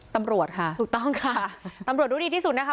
ตำรวจค่ะถูกต้องค่ะตำรวจรู้ดีที่สุดนะคะ